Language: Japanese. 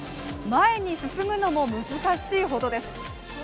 前に進むのも難しいほどです。